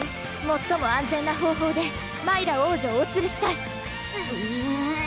もっとも安全な方法でマイラ王女をおつれしたいうぅ！